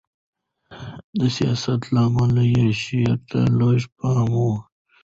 د سیاست له امله یې شاعرۍ ته لږ پام و.